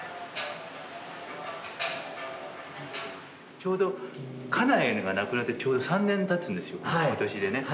ちょうど家内が亡くなってちょうど３年たつんですよ今年でね。